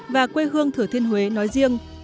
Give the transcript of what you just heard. và quê hương thừa thiên huế nói riêng